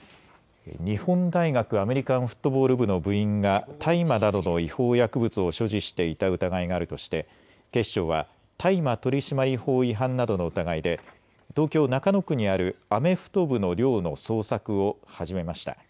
日本大学アメリカンフットボール部の部員が大麻などの違法薬物を所持していた疑いがあるとして警視庁は大麻取締法違反などの疑いで東京中野区にあるアメフト部の寮の捜索を始めました。